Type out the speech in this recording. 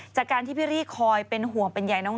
จากการที่พี่รี่คอยเป็นห่วงเป็นใยน้อง